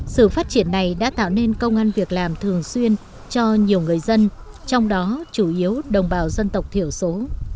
sự phát triển này đã tạo nên công an việc làm thường xuyên cho nhiều người dân trong đó chủ yếu đồng bào dân tộc thiểu số